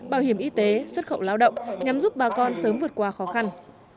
bảo hiểm y tế xuất khẩu lao động nhằm giúp bà con sớm vượt qua khó khăn